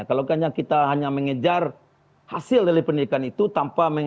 kalau kita hanya mengejar hasil dari pendidikan itu tanpa